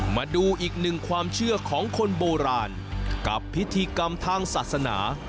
มาดูอีกหนึ่งความเชื่อของคนโบราณกับพิธีกรรมทางศาสนา